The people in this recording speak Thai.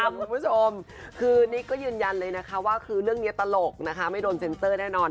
จะต้องจุดให้ทุกชมคือนิ๊กซ์ยืนยันเลยนะคะว่าคือเรื่องเนี้ยตลกนะคะไม่โดนเซนเซอร์แน่นอน